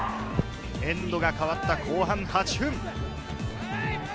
エンドがかわった後半８